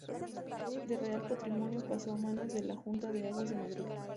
Del Real Patrimonio pasó a manos de la Junta de Aguas de Madrid.